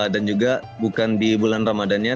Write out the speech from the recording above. dan juga bukan di bulan ramadannya